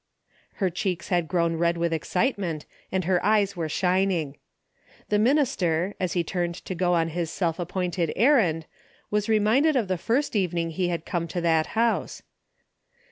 Her cheeks had grown red with excitement, and her eyes were shining. The minister, as he 226 DAILY EATE.'^ turned to go on his self appointed errand, was reminded of the first evening he had come to that house.